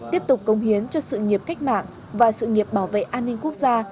tiếp tục công hiến cho sự nghiệp cách mạng và sự nghiệp bảo vệ an ninh quốc gia